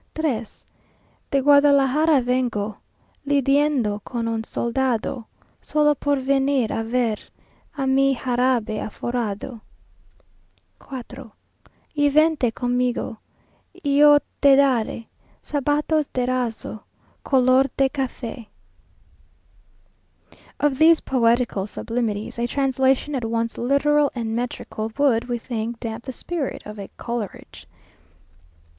3. De Guadalajara vengo, Lideando con un soldado, Solo por venir a ver A mi jarabe aforrado. 4. Y vente conmigo, Y yo te daré Zapatos de raso Color de café. Of these poetical sublimities, a translation at once literal and metrical, would, we think, damp the spirit of a Coleridge.